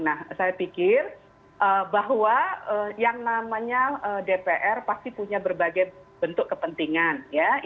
nah saya pikir bahwa yang namanya dpr pasti punya berbagai bentuk kepentingan ya